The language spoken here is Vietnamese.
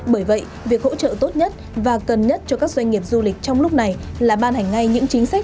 bởi vậy việc hỗ trợ tốt nhất và cần nhất cho các doanh nghiệp du lịch trong lúc này là ban hành ngay những chính sách